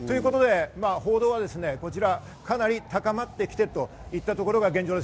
報道はこちら、かなり高まってきているといったところが現状です。